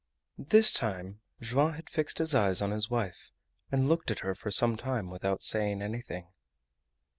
This time Joam had fixed his eyes on his wife and looked at her for some time without saying anything.